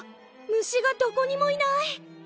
虫がどこにもいない！